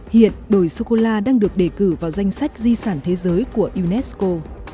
hiện đồi sô cô la đang được đề cử vào danh sách di sản thế giới của unesco